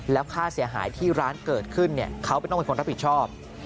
แล้วค่าเสียหายที่ร้านเกิดขึ้นเขาต้องเป็นคนรับผิดชอบ